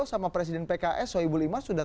sama presiden pks soebul iman sudah